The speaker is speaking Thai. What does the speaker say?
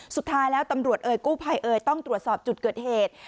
สุดท้ายแล้วตำรวจเอ่ยกู้ภัยเอ่ยต้องตรวจสอบจุดเกิดเหตุ